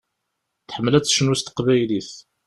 Tḥemmel ad tecnu s teqbaylit.